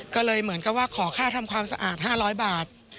ก็เลยเหมือนกับว่าขอค่าทำความสะอาด๕๐๐บาท